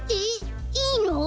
いいの？